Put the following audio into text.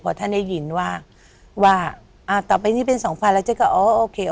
พอท่านได้ยินว่าต่อไปนี่เป็น๒พันอ่อโอเค